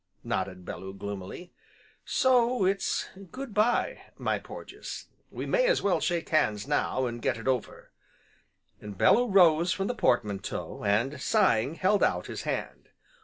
nodded Bellew gloomily, "so it's 'Good bye' my Porges! We may as well shake hands now, and get it over," and Bellew rose from the portmanteau, and sighing, held out his hand.